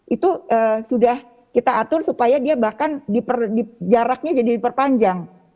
itu sudah kita atur supaya dia bahkan jaraknya jadi diperpanjang